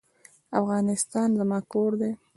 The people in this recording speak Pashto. افغانستان زما کور دی.